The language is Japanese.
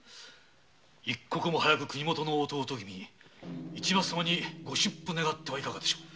一刻も早く国元の弟君・市松様にご出府願ってはいかがでしょう。